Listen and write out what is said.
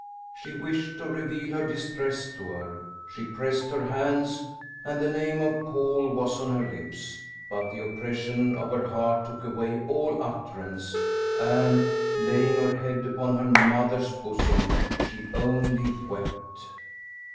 She wished to reveal her distress to her; she pressed her hands, and the name of Paul was on her lips; but the oppression of her heart took away all utterance, and, laying her head upon her mother's bosom, she only wept."